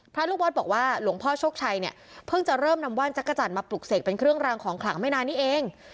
ลูกวัดบอกว่าหลวงพ่อโชคชัยเนี่ยเพิ่งจะเริ่มนำว่านจักรจันทร์มาปลุกเสกเป็นเครื่องรางของขลังไม่นานนี้เอง